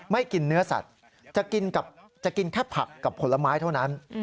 ไม่กินเนื้อสัตว์จะกินแค่ผักกับผลไม้เท่านั้น